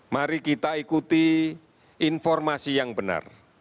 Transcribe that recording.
mari kita ikuti informasi yang benar